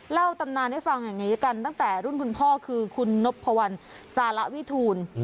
ตำนานให้ฟังอย่างนี้กันตั้งแต่รุ่นคุณพ่อคือคุณนพวัลสารวิทูล